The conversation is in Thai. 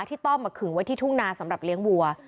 ต้อมมาขึงไว้ที่ทุ่งนาสำหรับเลี้ยงวัว